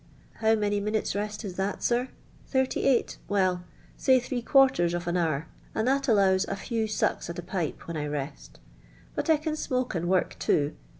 How many minutes' rest is that, sir i Tiiirty eight; well, Kiy tlireo quarters of an hour, and that allows a lew bucks at a pipe when 1 rest; but I can smoke and work too.